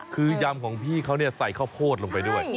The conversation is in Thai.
คือยำของพี่เขาใส่ข้าวโพดลงไปด้วย